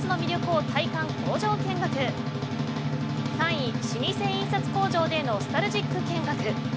３位、老舗印刷工場でノスタルジック見学。